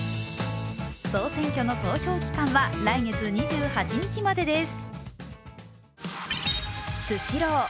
総選挙の投票期間は来月２８日までです。